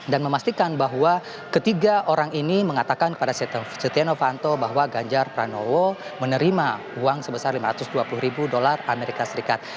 dan memastikan bahwa ketiga orang ini mengatakan kepada setonofanto bahwa gajar pranowo menerima uang sebesar rp lima ratus dua puluh amerika serikat